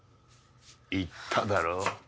言っただろ。